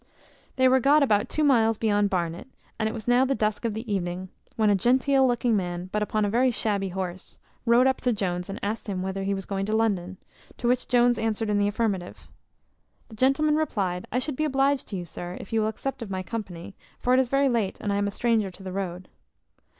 They were got about two miles beyond Barnet, and it was now the dusk of the evening, when a genteel looking man, but upon a very shabby horse, rode up to Jones, and asked him whether he was going to London; to which Jones answered in the affirmative. The gentleman replied, "I should be obliged to you, sir, if you will accept of my company; for it is very late, and I am a stranger to the road."